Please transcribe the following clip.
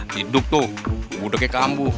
hidup tuh budaknya kamu